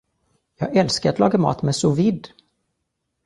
Jag älskar att laga mat med sous-vide.